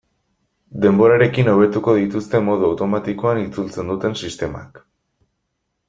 Denborarekin hobetuko dituzte modu automatikoan itzultzen duten sistemak.